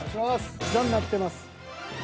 こちらになってます。